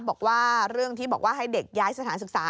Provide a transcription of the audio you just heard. บอกว่าเรื่องที่บอกว่าให้เด็กย้ายสถานศึกษา